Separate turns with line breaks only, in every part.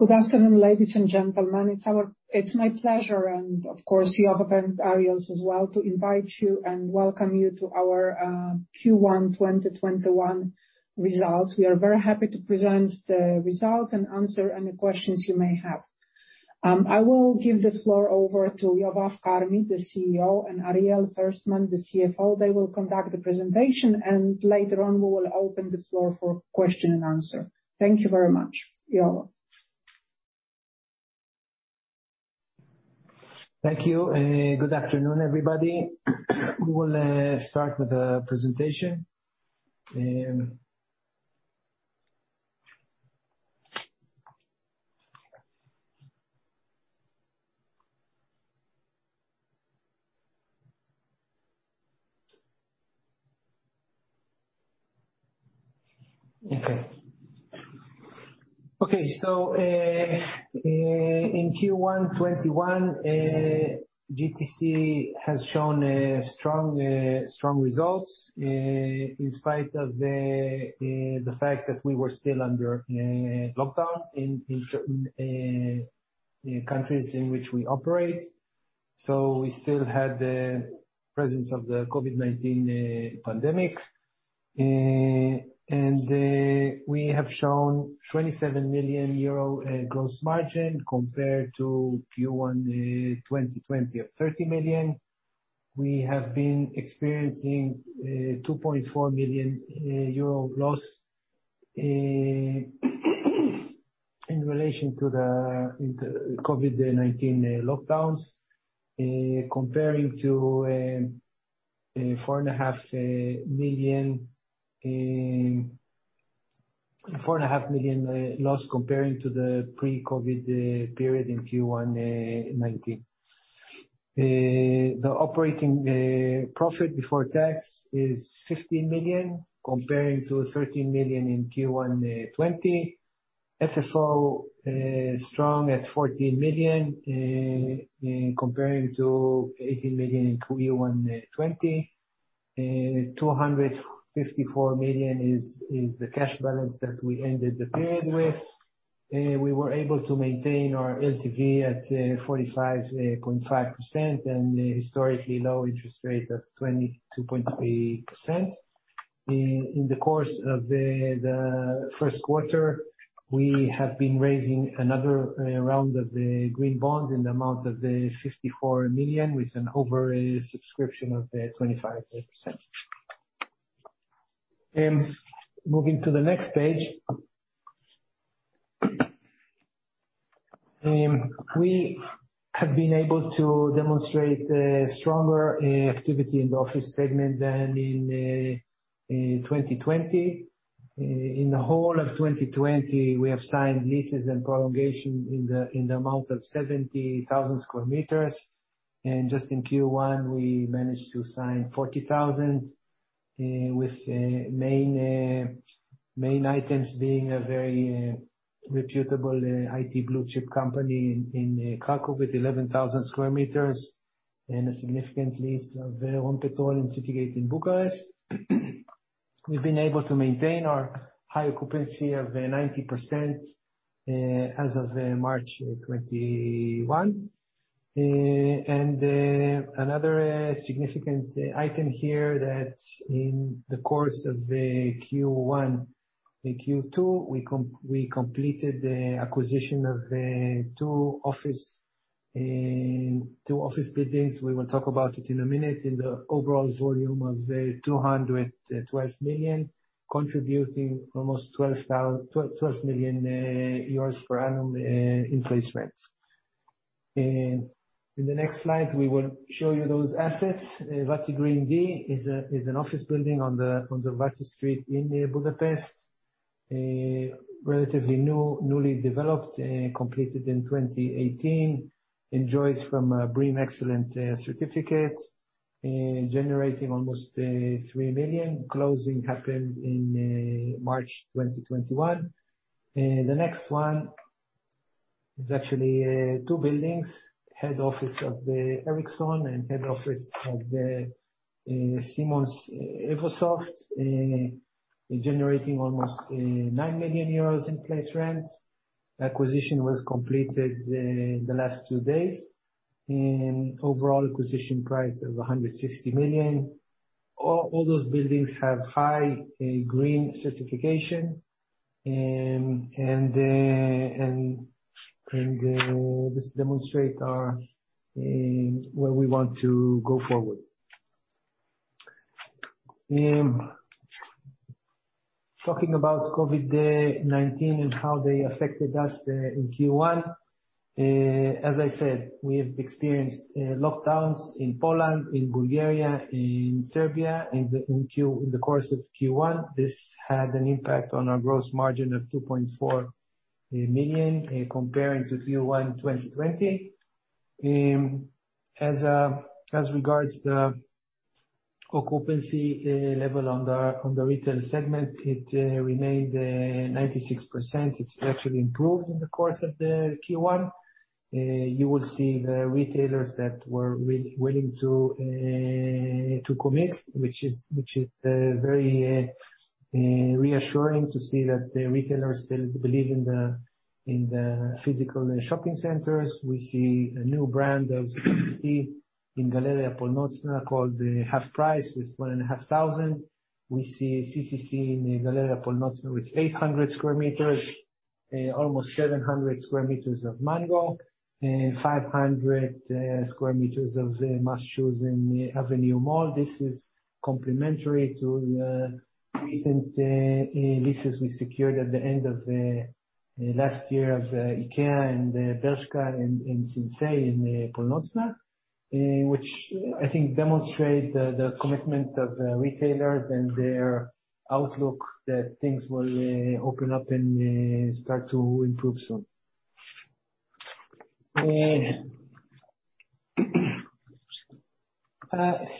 Good afternoon, ladies and gentlemen. It's my pleasure and, of course, Yovav and Ariel's as well, to invite you and welcome you to our Q1 2021 results. We are very happy to present the results and answer any questions you may have. I will give the floor over to Yovav Carmi, the CEO, and Ariel Ferstman, the CFO. They will conduct the presentation. Later on, we will open the floor for question and answer. Thank you very much. Yovav?
Thank you. Good afternoon, everybody. We will start with the presentation. Okay. In Q1 2021, GTC has shown strong results in spite of the fact that we were still under lockdown in certain countries in which we operate. We still had the presence of the COVID-19 pandemic. We have shown EUR 27 million gross margin compared to Q1 2020 of EUR 30 million. We have been experiencing EUR 2.4 million loss, in relation to the COVID-19 lockdowns. 4.5 million loss comparing to the pre-COVID period in Q1 2019. The operating profit before tax is 15 million, comparing to 13 million in Q1 2020. FFO is strong at 14 million, comparing to 18 million in Q1 2020. 254 million is the cash balance that we ended the period with. We were able to maintain our LTV at 45.5% and a historically low interest rate of 2.3%. In the course of the first quarter, we have been raising another round of green bonds in the amount of 54 million, with an over-subscription of 25%. Moving to the next page. We have been able to demonstrate stronger activity in the office segment than in 2020. In the whole of 2020, we have signed leases and prolongation in the amount of 70,000 sq m, and just in Q1, we managed to sign 40,000 sq m, with main items being a very reputable IT blue-chip company in Kraków with 11,000 sq m, and a significant lease of Rompetrol in City Gate in Bucharest. We've been able to maintain our high occupancy of 90% as of March 2021. Another significant item here that in the course of Q1 and Q2, we completed the acquisition of two office buildings, we will talk about it in a minute, in the overall volume of 212 million, contributing almost 12 million euros per annum in placement. In the next slide, we will show you those assets. Váci Greens D is an office building on the Váci Street in Budapest. Relatively newly developed, completed in 2018. Enjoys from a BREEAM Excellent certificate, generating almost 3 million. Closing happened in March 2021. The next one is actually two buildings, head office of Ericsson and head office of Siemens evosoft, generating almost 9 million euros in place rent. Acquisition was completed the last two days, overall acquisition price of 160 million. All those buildings have high green certification, this demonstrate where we want to go forward. Talking about COVID-19 and how they affected us in Q1. As I said, we have experienced lockdowns in Poland, in Bulgaria, in Serbia in the course of Q1. This had an impact on our gross margin of 2.4 million comparing to Q1 2020. As regards the occupancy level on the retail segment, it remained 96%. It's actually improved in the course of Q1. You will see the retailers that were willing to commit, which is very reassuring to see that the retailers still believe in the physical shopping centers. We see a new brand of CCC in Galeria Północna called the HalfPrice, with 1,500 sq m. We see CCC in Galeria Północna with 800 sq m, almost 700 sq m of Mango, and 500 sq m of MASS in the Avenue Mall. This is complementary to the recent leases we secured at the end of last year of IKEA, Bershka, and Sinsay in Północna, which I think demonstrate the commitment of retailers and their outlook that things will open up and start to improve soon.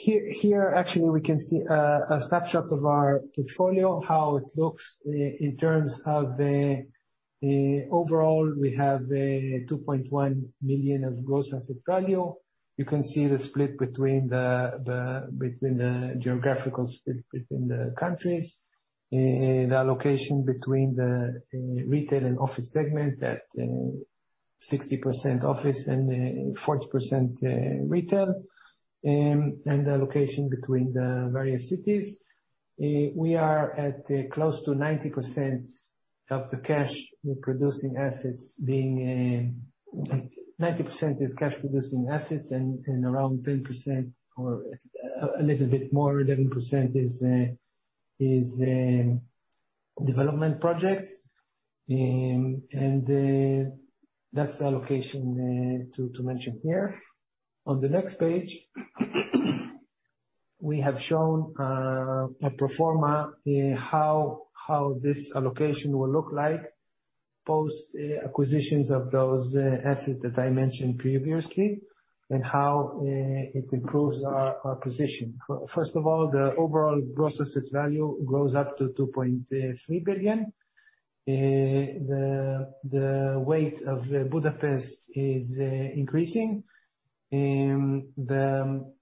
Here, actually, we can see a snapshot of our portfolio, how it looks in terms of the overall. We have 2.1 billion of gross asset value. You can see the split between the geographical split between the countries. The allocation between the retail and office segment at 60% office and 40% retail, and the allocation between the various cities. We are at close to 90% of the cash producing assets being 90% is cash producing assets and around 10%, or a little bit more, 11% is development projects. That's the allocation to mention here. On the next page, we have shown a pro forma, how this allocation will look like post acquisitions of those assets that I mentioned previously, and how it improves our position. First of all, the overall gross asset value goes up to 2.3 billion. The weight of Budapest is increasing. The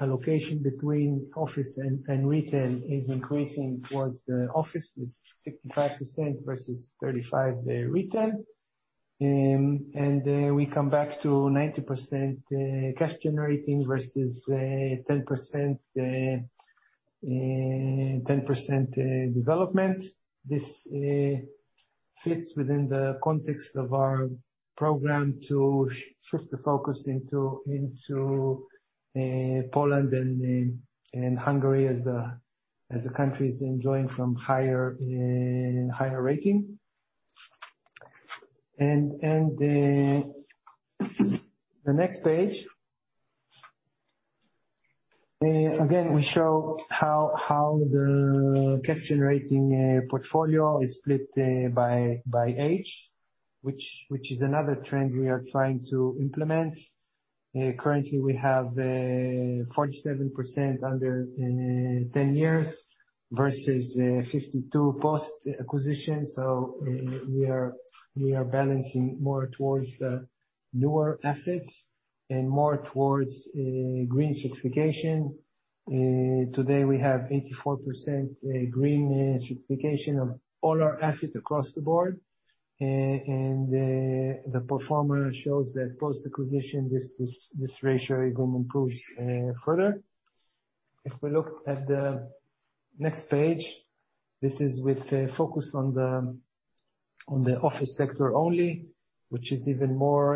allocation between office and retail is increasing towards the office, with 65% versus 35% retail. We come back to 90% cash generating versus 10% development. This fits within the context of our program to shift the focus into Poland and Hungary as the country is enjoying from higher ranking. The next page, again, we show how the cash generating portfolio is split by age, which is another trend we are trying to implement. Currently, we have 47% under 10 years versus 52% post-acquisition. We are balancing more towards the newer assets and more towards green certification. Today we have 84% green certification of all our assets across the Board, and the pro forma shows that post-acquisition, this ratio even improves further. If we look at the next page, this is with focus on the Office sector only, which is even more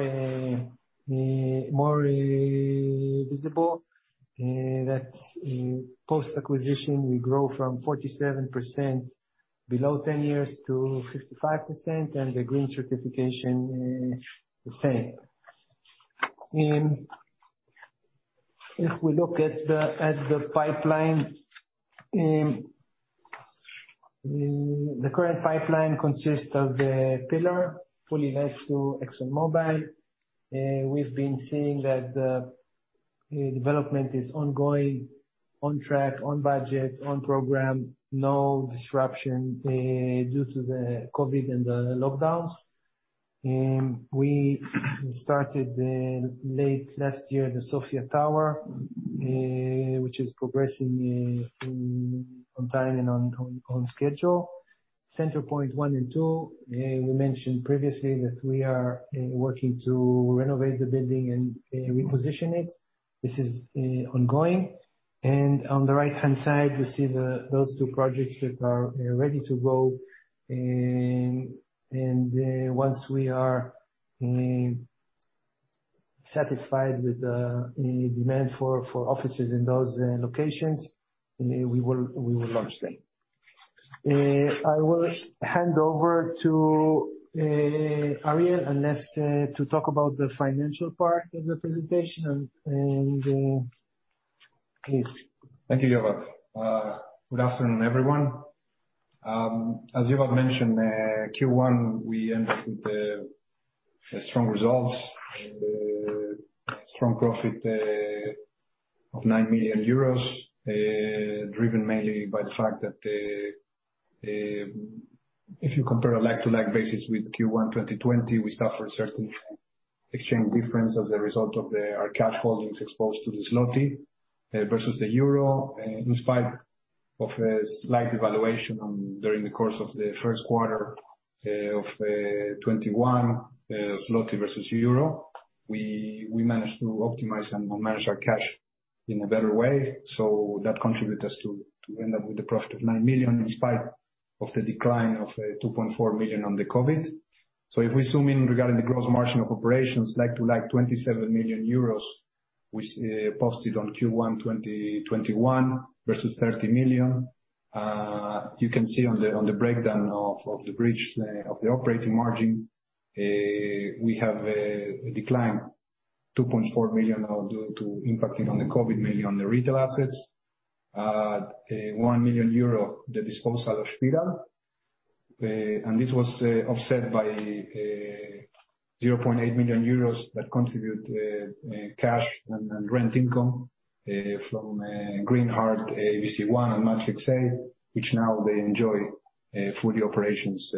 visible, that post-acquisition, we grow from 47% below 10 years to 55%, and the green certification the same. If we look at the pipeline, the current pipeline consists of The Pillar, fully let to ExxonMobil. We've been seeing that the development is ongoing, on track, on budget, on program. No disruption due to the COVID-19 and the lockdowns. We started late last year, the Sofia Tower, which is progressing on time and on schedule. Center Point One and Two, we mentioned previously that we are working to renovate the building and reposition it. This is ongoing. On the right-hand side, you see those two projects that are ready to go. Once we are satisfied with the demand for offices in those locations, we will launch them. I will hand over to Ariel and Erez to talk about the financial part of the presentation. Please.
Thank you, Yovav. Good afternoon, everyone. As Yovav mentioned, Q1, we ended with strong results. Strong profit of 9 million euros, driven mainly by the fact that. If you compare a like-to-like basis with Q1 2020, we suffered certain exchange difference as a result of our cash holdings exposed to the zloty versus the euro. In spite of a slight devaluation during the course of the first quarter of 2021, zloty versus euro, we managed to optimize and manage our cash in a better way. That contributes us to end up with a profit of 9 million, in spite of the decline of 2.4 million on the COVID-19. If we zoom in regarding the gross margin of operations, like-to-like 27 million euros, which posted on Q1 2021 versus 30 million. You can see on the breakdown of the operating margin, we have a decline 2.4 million due to impacting on the COVID-19, mainly on the retail assets. 1 million euro, the disposal of Pillar. This was offset by 0.8 million euros that contribute cash and rent income from Green Heart, ABC 1 and Matrix A, which now they enjoy fully operations,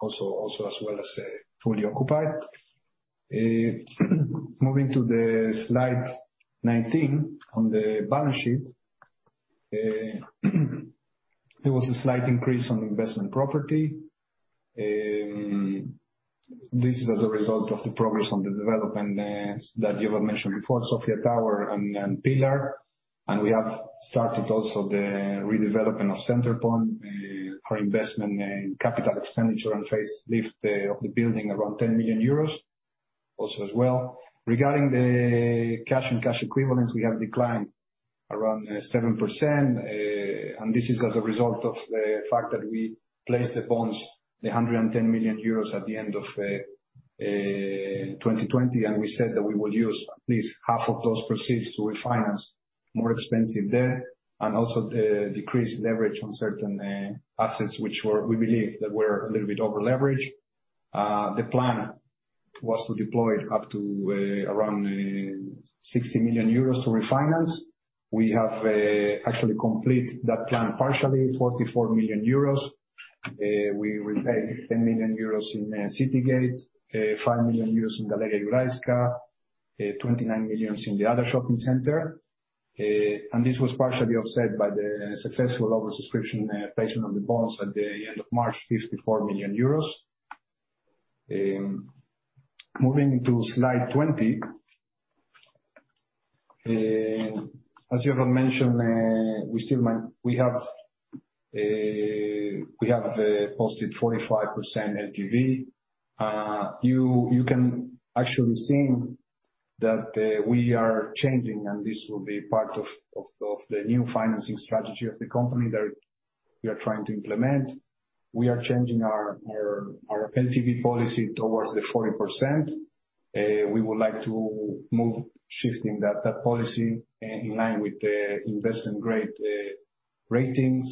also as well as fully occupied. Moving to the slide 19 on the balance sheet. There was a slight increase on investment property. This is as a result of the progress on the development that Yovav Carmi mentioned before, Sofia Tower and Pillar. We have started also the redevelopment of Center Point for investment in capital expenditure and facelift of the building, around 10 million euros also as well. Regarding the cash and cash equivalents, we have declined around 7%. This is as a result of the fact that we placed the bonds, the 110 million euros at the end of 2020. We said that we will use at least half of those proceeds to refinance more expensive debt and also decrease leverage on certain assets, which we believe that were a little bit over-leveraged. The plan was to deploy up to around 60 million euros to refinance. We have actually completed that plan partially, 44 million euros. We repaid 10 million euros in City Gate, 5 million euros in Galeria Jurajska, 29 million in the other shopping center. This was partially offset by the successful oversubscription placement of the bonds at the end of March, 54 million euros. Moving to slide 20. As Yovav mentioned, we have posted 45% LTV. You can actually see that we are changing, and this will be part of the new financing strategy of the company that we are trying to implement. We are changing our LTV policy towards the 40%. We would like to move shifting that policy in line with the investment grade rating.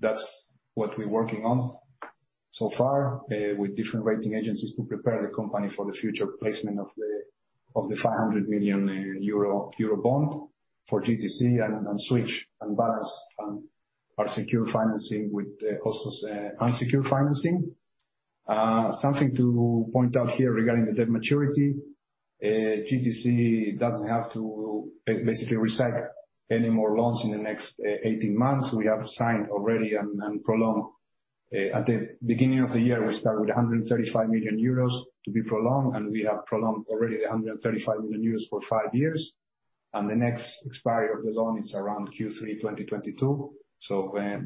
That's what we're working on so far, with different rating agencies to prepare the company for the future placement of the 500 million euro bond for GTC and switch and balance our secure financing with also unsecured financing. Something to point out here regarding the debt maturity. GTC doesn't have to basically recycle any more loans in the next 18 months. We have signed already and prolonged. At the beginning of the year, we started 135 million euros to be prolonged, and we have prolonged already the 135 million euros for five years. The next expiry of the loan is around Q3 2022.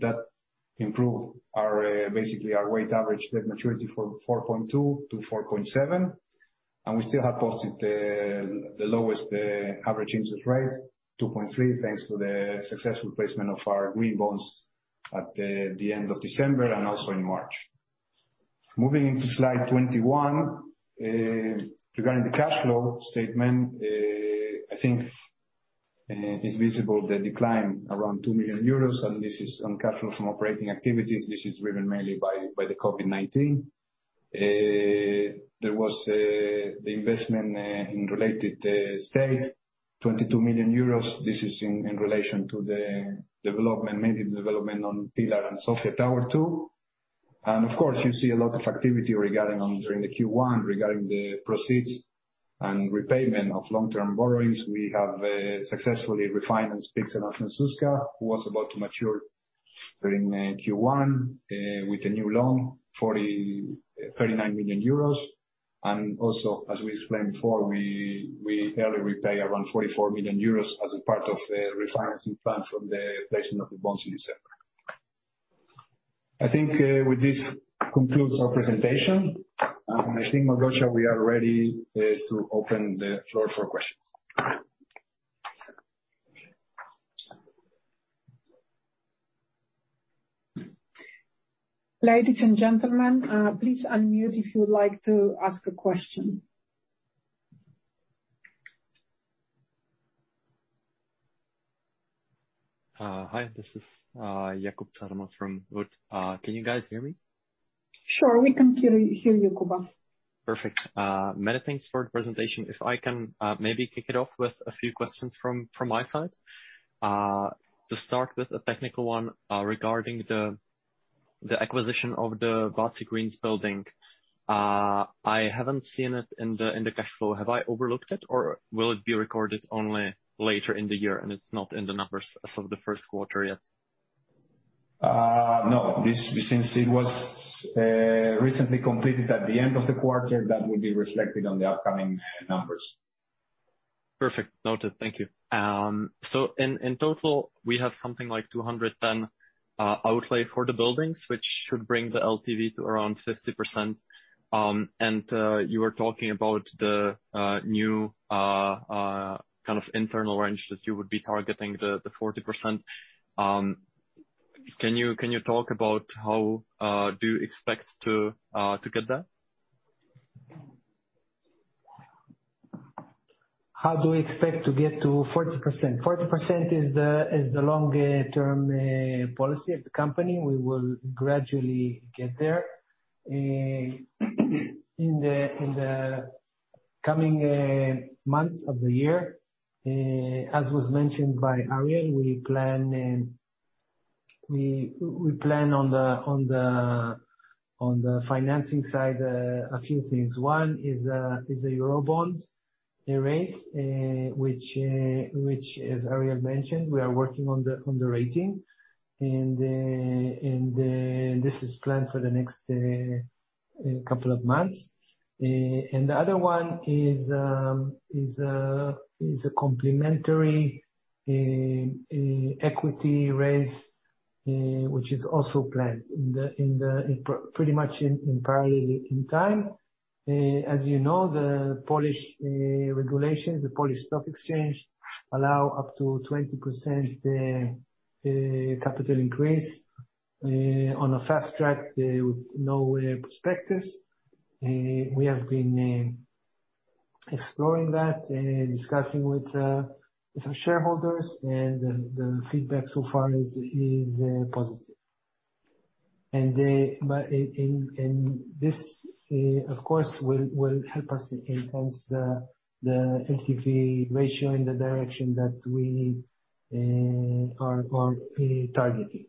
That improved basically our weighted average debt maturity from 4.2 to 4.7. We still have posted the lowest average interest rate, 2.3, thanks to the successful placement of our green bonds at the end of December and also in March. Moving into slide 21. Regarding the cash flow statement, I think it's visible the decline around 2 million euros, this is on cash flow from operating activities. This is driven mainly by the COVID-19. There was the investment in real estate, 22 million euros. This is in relation to the development, mainly the development on Pillar and Sofia Tower 2. Of course, you see a lot of activity regarding during the Q1, regarding the proceeds and repayment of long-term borrowings. We have successfully refinanced Pixel and Francuska, who was about to mature during Q1, with a new loan, 39 million euros. Also, as we explained before, we early repay around 24 million euros as a part of the refinancing plan from the placement of the bonds in December. I think with this concludes our presentation. I think, Małgorzata, we are ready to open the floor for questions.
Ladies and gentlemen, please unmute if you would like to ask a question.
Hi, this is Jakub Caithaml from WOOD. Can you guys hear me?
Sure. We can hear you, Jakub.
Perfect. Many thanks for the presentation. If I can maybe kick it off with a few questions from my side. To start with a technical one regarding the acquisition of the Váci Greens building. I haven't seen it in the cash flow. Have I overlooked it, or will it be recorded only later in the year, and it's not in the numbers as of the first quarter yet?
No. Since it was recently completed at the end of the quarter, that will be reflected on the upcoming numbers.
Perfect. Noted. Thank you. In total, we have something like 210 outlay for the buildings, which should bring the LTV to around 50%. You were talking about the new kind of internal range that you would be targeting the 40%. Can you talk about how do you expect to get that?
How do we expect to get to 40%? 40% is the long-term policy of the company. We will gradually get there. In the coming months of the year, as was mentioned by Ariel, we plan on the financing side a few things. One is a Eurobond raise, which, as Ariel mentioned, we are working on the rating. This is planned for the next couple of months. The other one is a complementary equity raise, which is also planned pretty much in parallel in time. As you know, the Polish regulations, the Polish stock exchange, allow up to 20% capital increase on a fast track with no prospectus. We have been exploring that and discussing with some shareholders, and the feedback so far is positive. This, of course, will help us enhance the LTV ratio in the direction that we are targeting.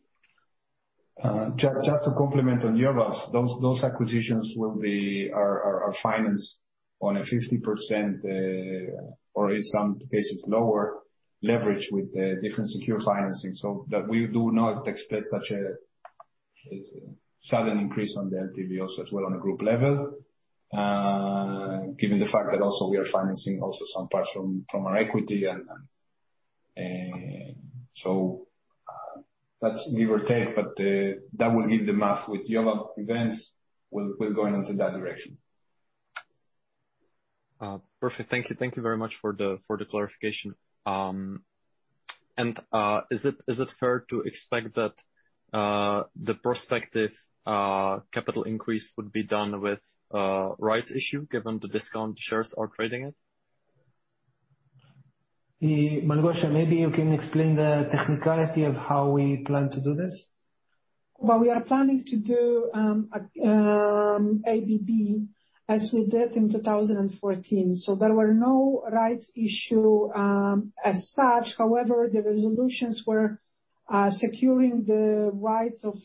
Just to complement on Yovav's, those acquisitions will be our finance on a 50%, or in some cases lower, leverage with different secure financing, so that we do not expect such a sudden increase on the LTV also as well on a group level, given the fact that also we are financing also some parts from our equity. That's give or take, but that will be the math with events will going into that direction.
Perfect. Thank you. Thank you very much for the clarification. Is it fair to expect that the prospective capital increase would be done with a rights issue given the discount shares are trading at?
Małgorzata, maybe you can explain the technicality of how we plan to do this.
Well, we are planning to do ABB as we did in 2014. There were no rights issue as such. However, the resolutions were securing the rights of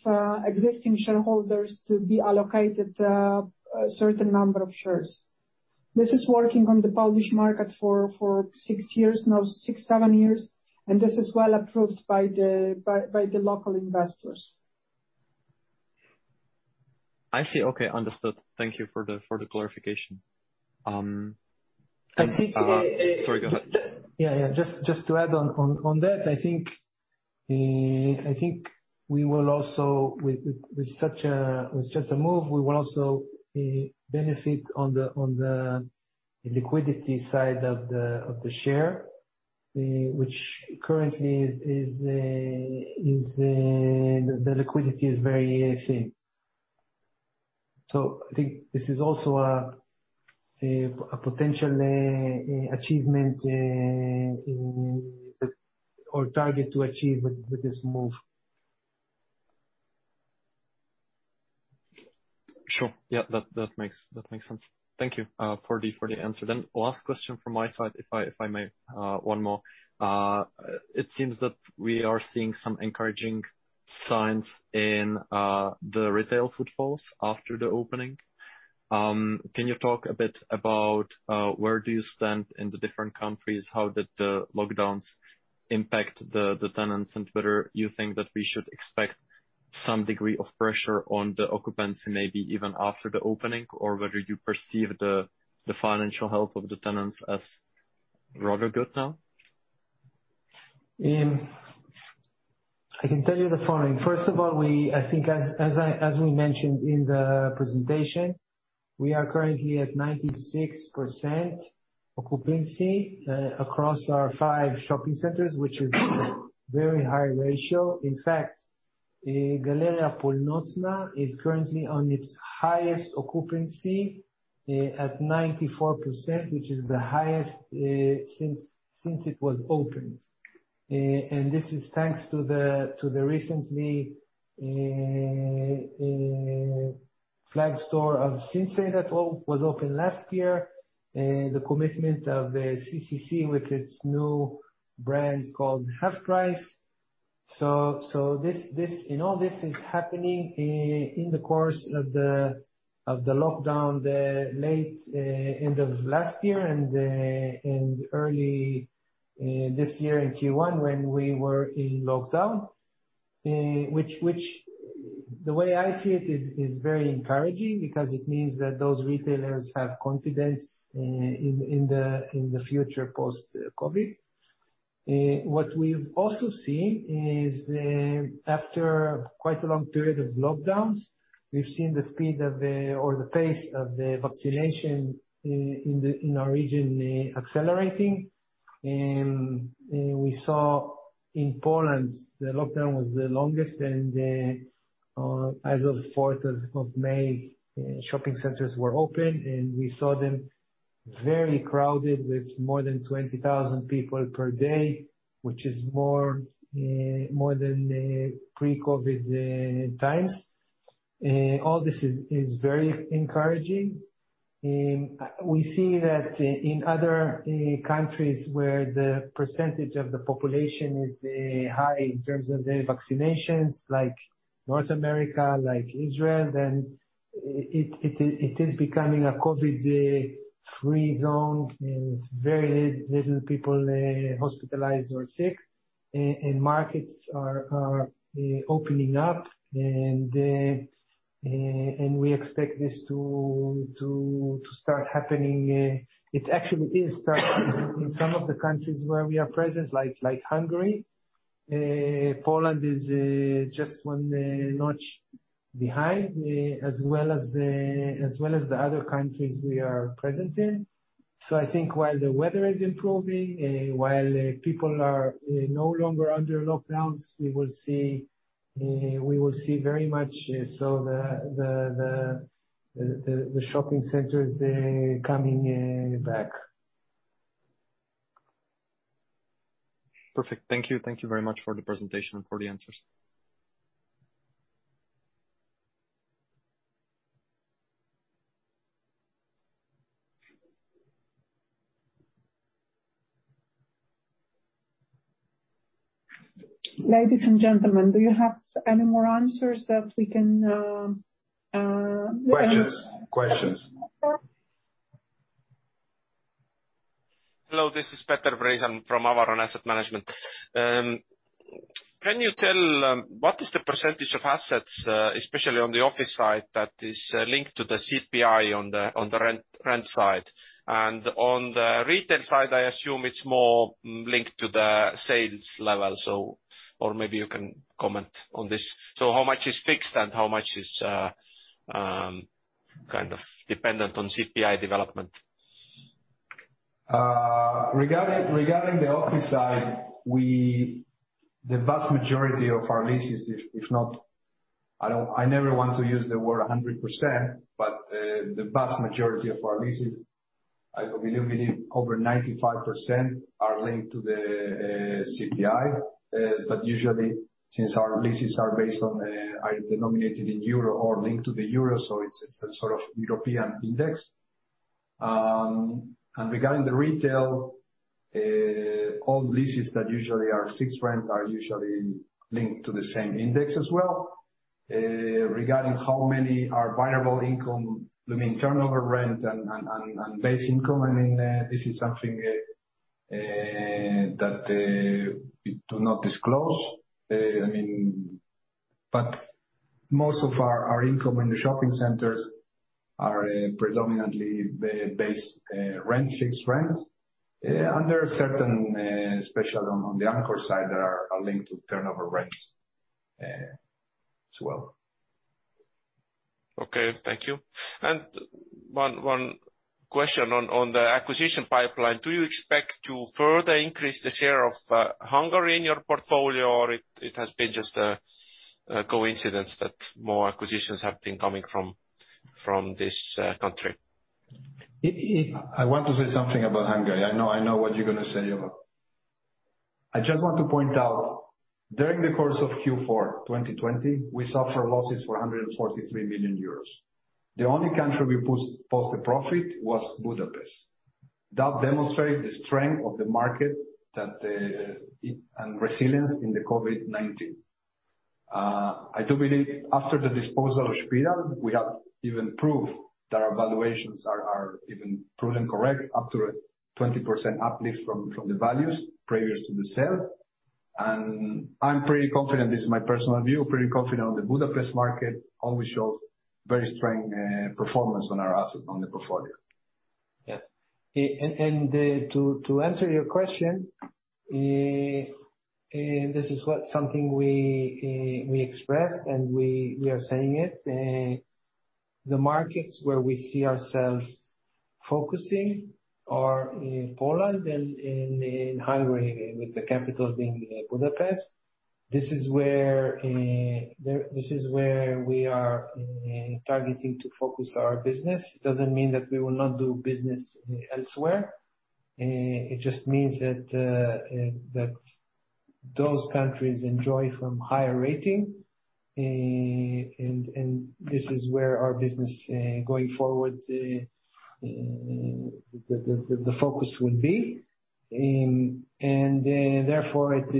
existing shareholders to be allocated a certain number of shares. This is working on the Polish market for six years now, six, seven years, and this is well approved by the local investors.
I see. Okay. Understood. Thank you for the clarification.
I think-
Sorry, go ahead.
Just to add on that, I think with such a move, we will also benefit on the liquidity side of the share, which currently the liquidity is very thin. I think this is also a potential achievement or target to achieve with this move.
Sure. Yeah, that makes sense. Thank you for the answer. Last question from my side, if I may. One more. It seems that we are seeing some encouraging signs in the retail footfalls after the opening. Can you talk a bit about where do you stand in the different countries? How did the lockdowns impact the tenants, and whether you think that we should expect some degree of pressure on the occupancy, maybe even after the opening, or whether you perceive the financial health of the tenants as rather good now?
I can tell you the following. First of all, I think as we mentioned in the presentation, we are currently at 96% occupancy across our five shopping centers, which is a very high ratio. In fact, Galeria Północna is currently on its highest occupancy at 94%, which is the highest since it was opened. This is thanks to the recently flag store of Sinsay that was opened last year, the commitment of CCC with its new brand called HalfPrice. This is happening in the course of the lockdown, the late end of last year and early this year in Q1, when we were in lockdown, which the way I see it is very encouraging because it means that those retailers have confidence in the future post-COVID. What we've also seen is, after quite a long period of lockdowns, we've seen the speed or the pace of the vaccination in our region accelerating. We saw in Poland, the lockdown was the longest, and as of fourth of May, shopping centers were open, and we saw them very crowded with more than 20,000 people per day, which is more than pre-COVID times. All this is very encouraging. We see that in other countries where the percentage of the population is high in terms of their vaccinations like North America, like Israel, then it is becoming a COVID free zone, and very little people hospitalized or sick. Markets are opening up. We expect this to start happening. It actually is starting in some of the countries where we are present, like Hungary. Poland is just one notch behind, as well as the other countries we are present in. I think while the weather is improving, while people are no longer under lockdowns, we will see very much so the shopping centers coming back.
Perfect. Thank you. Thank you very much for the presentation and for the answers.
Ladies and gentlemen, do you have any more answers that we can-
Questions.
Hello, this is Peter Priisalm from Avaron Asset Management. Can you tell, what is the percentage of assets, especially on the office side, that is linked to the CPI on the rent side? On the retail side, I assume it's more linked to the sales level. Or maybe you can comment on this? How much is fixed and how much is, kind of dependent on CPI development?
Regarding the office side, the vast majority of our leases, if not I never want to use the word 100%, but the vast majority of our leases, I believe over 95% are linked to the CPI. Usually, since our leases are denominated in euro or linked to the euro, so it's a sort of European index. Regarding the retail, all leases that usually are fixed rent are usually linked to the same index as well. Regarding how many are variable income, I mean turnover rent and base income, this is something that we do not disclose. Most of our income in the shopping centers are predominantly based fixed rents. Under a certain, especially on the anchor side, are linked to turnover rents as well.
Okay. Thank you. One question on the acquisition pipeline. Do you expect to further increase the share of Hungary in your portfolio, or it has been just a coincidence that more acquisitions have been coming from this country?
I want to say something about Hungary. I know what you're going to say about. I just want to point out, during the course of Q4 2020, we suffer losses for 143 million euros. The only country we post a profit was Budapest. That demonstrate the strength of the market and resilience in the COVID-19. I do believe after the disposal of Spiral, we have even proved that our valuations are even proven correct up to 20% uplift from the values previous to the sale. I'm pretty confident, this is my personal view, pretty confident on the Budapest market, always shows very strong performance on our asset, on the portfolio.
Yeah. To answer your question, this is something we expressed, and we are saying it. The markets where we see ourselves focusing are in Poland and in Hungary, with the capital being Budapest. This is where we are targeting to focus our business. It doesn't mean that we will not do business elsewhere. It just means that those countries enjoy from higher rating, and this is where our business, going forward, the focus will be. Therefore, it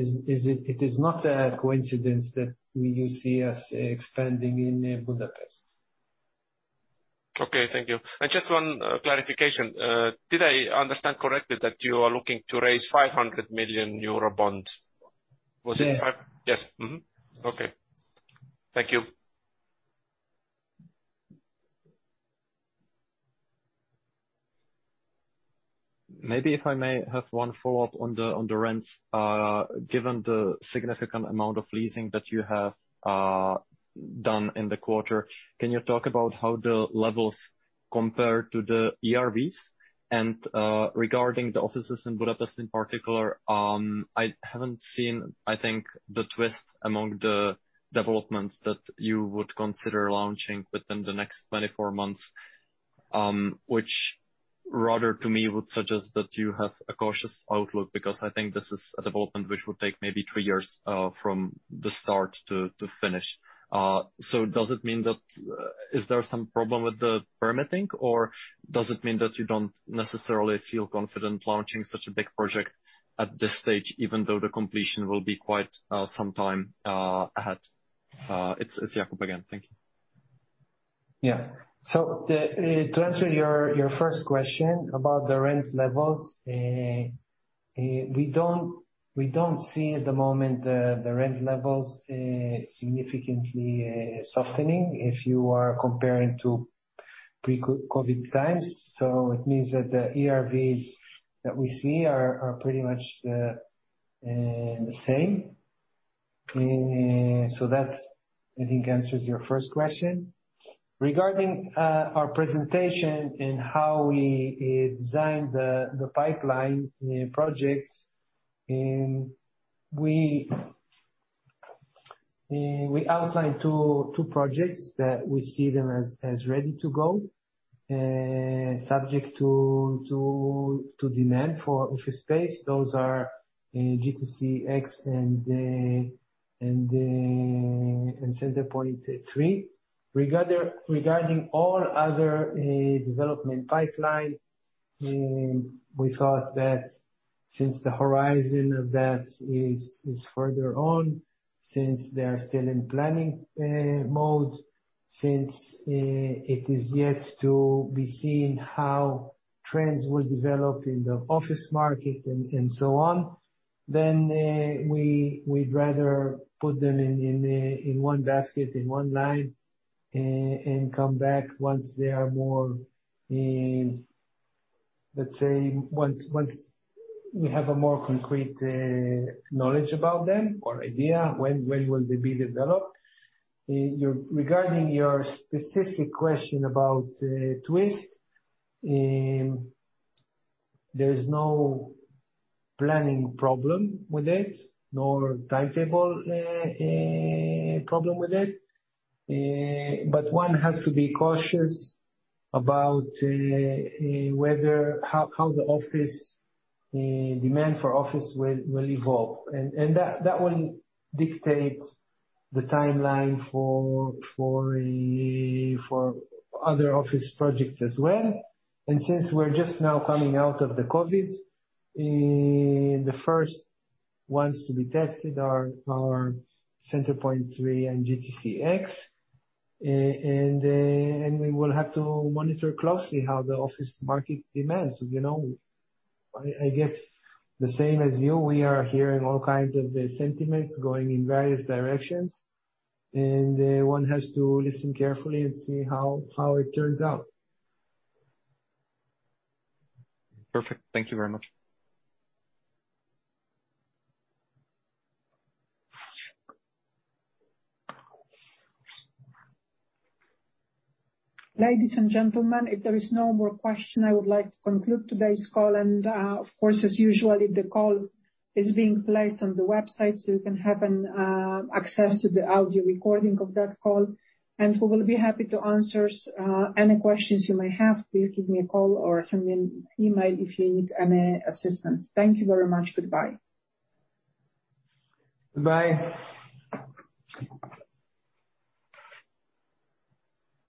is not a coincidence that you see us expanding in Budapest.
Okay. Thank you. Just one clarification. Did I understand correctly that you are looking to raise 500 million euro bond?
Yes.
Yes. Mm-hmm. Okay. Thank you.
If I may have one follow-up on the rents. Given the significant amount of leasing that you have done in the quarter, can you talk about how the levels compare to the ERVs? Regarding the offices in Budapest in particular, I haven't seen, I think, The Twist among the developments that you would consider launching within the next 24 months, which rather to me would suggest that you have a cautious outlook, because I think this is a development which would take maybe two years from the start to finish. Is there some problem with the permitting, or does it mean that you don't necessarily feel confident launching such a big project at this stage, even though the completion will be quite some time ahead? It's Jakub again. Thank you.
Yeah. To answer your first question about the rent levels, we don't see at the moment the rent levels significantly softening if you are comparing to pre-COVID times. It means that the ERVs that we see are pretty much the same. That, I think, answers your first question. Regarding our presentation and how we designed the pipeline projects, we outlined two projects that we see them as ready to go, subject to demand for office space. Those are GTC X and Center Point III. Regarding all other development pipeline, we thought that since the horizon of that is further on, since they are still in planning mode, since it is yet to be seen how trends will develop in the office market and so on, we'd rather put them in one basket, in one line, and come back once they are more, let's say, once we have a more concrete knowledge about them or idea when will they be developed. Regarding your specific question about The Twist, there is no planning problem with it, nor timetable problem with it. One has to be cautious about how the demand for office will evolve, and that will dictate the timeline for other office projects as well. Since we're just now coming out of the COVID-19, the first ones to be tested are Center Point III and GTC X. We will have to monitor closely how the office market demands. I guess the same as you, we are hearing all kinds of sentiments going in various directions, and one has to listen carefully and see how it turns out.
Perfect. Thank you very much.
Ladies and gentlemen, if there is no more question, I would like to conclude today's call. Of course, as usual, the call is being placed on the website, so you can have an access to the audio recording of that call. We will be happy to answer any questions you may have. Please give me a call or send me an email if you need any assistance. Thank you very much. Goodbye.
Goodbye.